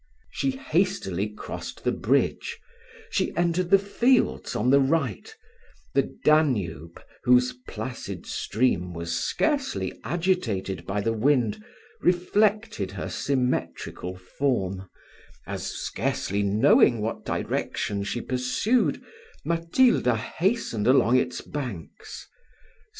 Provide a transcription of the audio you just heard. She hastily crossed the bridge she entered the fields on the right the Danube, whose placid stream was scarcely agitated by the wind, reflected her symmetrical form, as, scarcely knowing what direction she pursued, Matilda hastened along its banks.